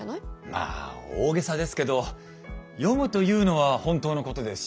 まあ大げさですけど「読む」というのは本当のことですし。